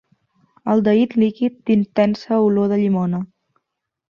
Aldehid líquid d'intensa olor de llimona.